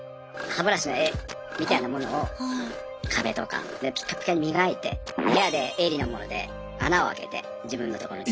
歯ブラシの柄みたいなものを壁とかでぴかぴかに磨いて部屋で鋭利なもので穴を開けて自分のところに。